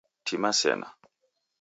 Tima sena